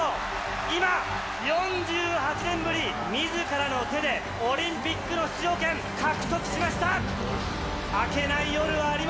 今、４８年ぶり、みずからの手でオリンピックの出場権、獲得しました。